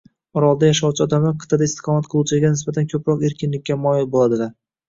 Orolda yashovchi odamlar qit’ada istiqomat qiluvchilarga nisbatan ko‘proq erkinlikka moyil bo‘ladilar.